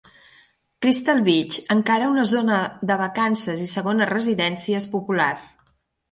Crystal Beach encara una zona de vacances i segones residències popular.